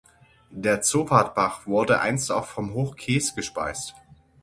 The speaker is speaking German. Der Zopatbach wurde einst auch vom Hochkees gespeist.